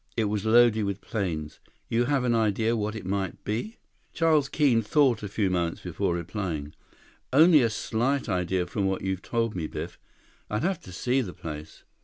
It was loaded with planes. You have an idea what it might be?" Charles Keene thought a few moments before replying. "Only a slight idea from what you've told me, Biff. I'd have to see the place."